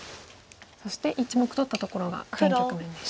そして１目取ったところが現局面です。